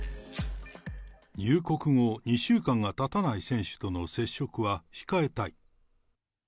入国後２週間がたたない選手との接触は控えたい。